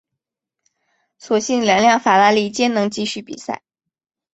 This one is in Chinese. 所幸两辆法拉利皆能继续比赛。